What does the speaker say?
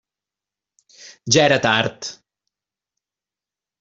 Ja era tard.